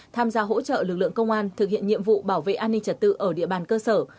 tham gia hỗ trợ lực lượng công an thực hiện nhiệm vụ bảo vệ an ninh trật tự ở địa bàn cơ sở